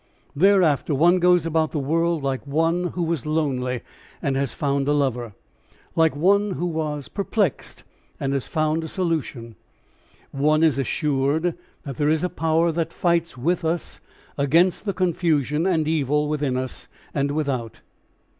Thereafter one goes about the world like one who was lonely and has found a lover, like one who was perplexed and has found a solution. One is assured that there is a Power that fights with us against the confusion and evil within us and without.